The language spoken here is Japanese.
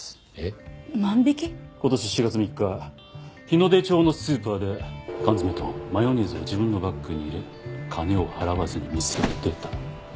今年４月３日日ノ出町のスーパーで缶詰とマヨネーズを自分のバッグに入れ金を払わずに店を出た。